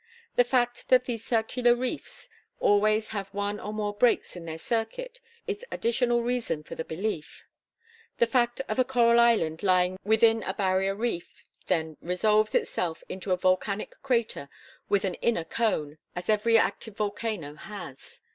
The fact that these circular reefs always have one or more breaks in their circuit is additional reason for the belief. The fact of a coral island lying within a barrier reef, then, [Illustration: CORAL REEFS.] resolves itself into a volcanic crater with an inner cone, as every active volcano has.